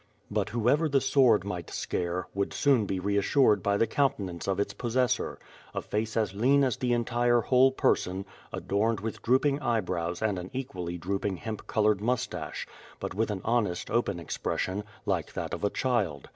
But whoever the sword might scare, would soon be reas sured by the countenance of its possessor; a face as lean as the entire whole person, adorned with drooping eyebrows and an equally drooping hemp colored moustache, but with an hon est open expression, like that of a child.